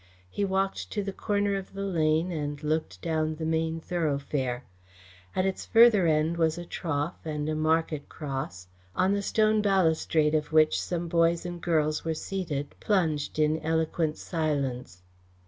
He walked to the corner of the lane and looked down the main thoroughfare. At its further end was a trough and a market cross, on the stone balustrade of which some boys and girls were seated, plunged in eloquent silence.